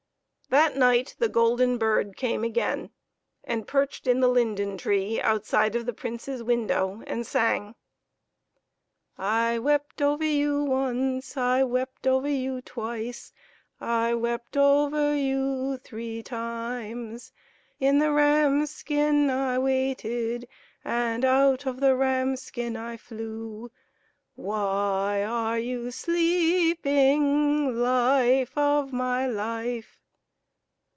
That night the golden bird came again, and perched in the linden tree outside of the Prince's window, and sang: "I wept over you once, I wept over you twice, I wept over you three times. In the ram's skin I waited, And out of the ram's skin I flew. Why are you sleeping, Life of my life